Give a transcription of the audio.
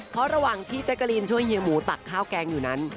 เพราะระหว่างที่แจ๊กกะลีนช่วยเฮียหมูตักข้าวแกงอยู่นั้น